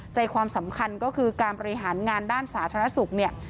ใจความสำคัญก็คือการบริหารงานด้านสาธารณสุขเนี่ย